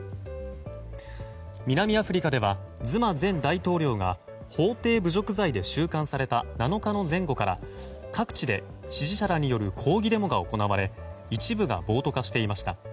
南アフリカではズマ前大統領が法廷侮辱罪で収監された７日の前後から各地で支持者らによる抗議デモが行われ一部が暴徒化していました。